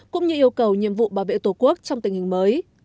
cũng như yêu cầu nhiệm vụ bảo vệ tổ quốc trong tình hình mới